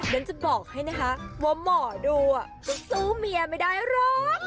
เดินจะบอกให้นะคะว่าหมอดูซื้อเมียไม่ได้ร้อน